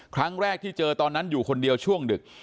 ครั้งแรกที่เจอตอนนั้นอยู่คนเดียวช่วงดึก